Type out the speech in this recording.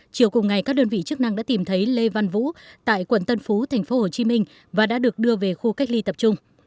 chiều cùng ngày các đơn vị chức năng đã tìm thấy lê văn vũ tại quận tân phú tp hcm và đã được đưa về khu cách ly tập trung